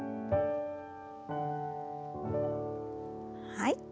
はい。